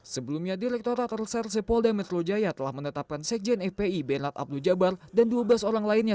sebelumnya direkturat reserse polda metro jaya telah menetapkan sekjen fpi bernard abnu jabar dan dua belas orang lainnya